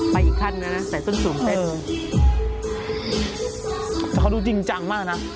อีกท่านนะนะใส่ส้นสูงเต้นเขาดูจริงจังมากนะ